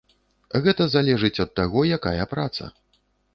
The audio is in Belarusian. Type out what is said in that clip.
Гэта залежыць ад таго, якая праца.